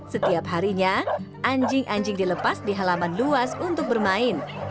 setiap harinya anjing anjing dilepas di halaman luas untuk bermain